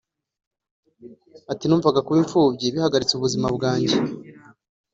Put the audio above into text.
Ati “Numvaga kuba imfubyi bihagaritse ubuzima bwanjye